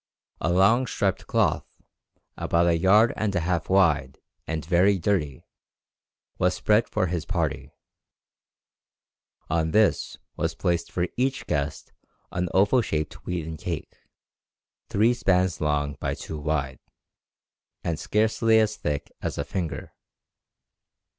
A long striped cloth, about a yard and a half wide and very dirty, was spread for his party; on this was placed for each guest an oval shaped wheaten cake, three spans long by two wide, and scarcely as thick as a finger.